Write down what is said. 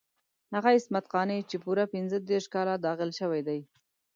هغه عصمت قانع چې پوره پنځه دېرش کاله داغل شوی دی.